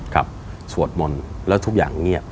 สวดมนต์แล้วทุกอย่างเงียบ